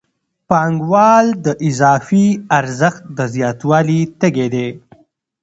پانګوال د اضافي ارزښت د زیاتوالي تږی دی